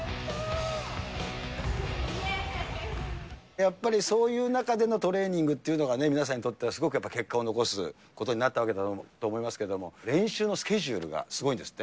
やっぱりそういう中でのトレーニングっていうのがね、皆さんにとってはすごく結果を残すことになったわけだろうと思いますけれども、練習のスケジュールがすごいんですって。